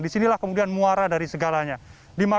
di sinilah kemudian muara dari segalanya